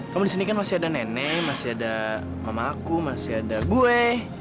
kamu di sini kan masih ada nenek masih ada mama aku masih ada gue